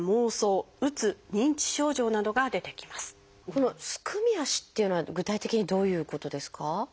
この「すくみ足」っていうのは具体的にどういうことですか？